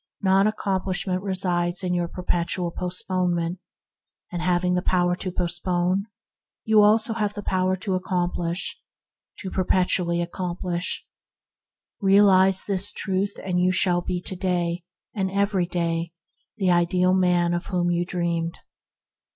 Non accomplishment resides in your perpetual postponement; having the power to postpone, you also have the power to accomplish — to perpetually accomplish; realize this truth, and you shall be to day, and every day, the ideal man of whom you dreamed.